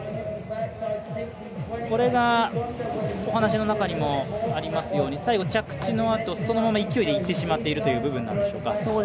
これがお話しの中にもありますように最後、着地のあとそのまま勢いでいってしまっているという部分なんでしょうか。